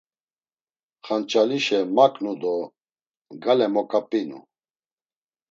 Xanç̌alişe maǩnu do gale moǩap̌inu.